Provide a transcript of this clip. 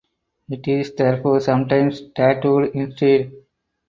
It is therefore sometimes tattooed instead.